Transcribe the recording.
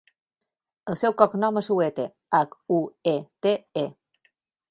El seu cognom és Huete: hac, u, e, te, e.